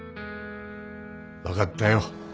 分かったよ。